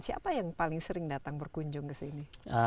siapa yang paling sering datang berkunjung ke sini